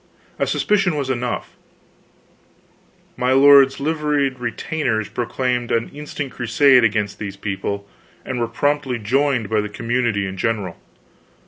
A suspicion was enough; my lord's liveried retainers proclaimed an instant crusade against these people, and were promptly joined by the community in general.